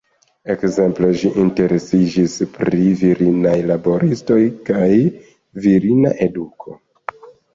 Ekzemple, ĝi interesiĝis pri virinaj laboristoj, kaj virina eduko.